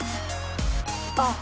あっ！